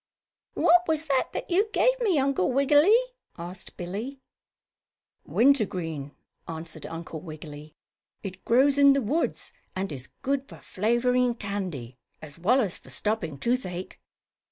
"What was that you gave me, Uncle Wiggily?" Billie asked. "Wintergreen," answered Uncle Wiggily. "It grows in the woods, and is good for flavoring candy, as well as for stopping toothache."